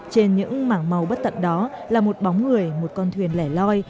trên những mảng màu bất tận đó là một bóng người một con thuyền lẻ loi